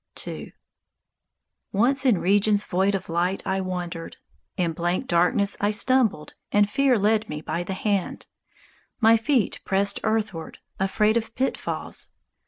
_ II Once in regions void of light I wandered; In blank darkness I stumbled, And fear led me by the hand; My feet pressed earthward, Afraid of pitfalls.